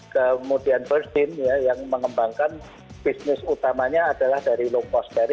kemudian burstin yang mengembangkan bisnis utamanya adalah dari low cost